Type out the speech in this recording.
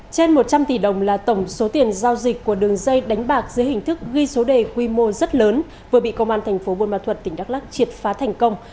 trên một trăm linh tỷ đồng là tổng số tiền giao dịch của đường dây đánh bạc dưới hình thức ghi số đề quy mô rất lớn vừa bị công an thành phố buôn ma thuật tỉnh đắk lắc triệt phá thành công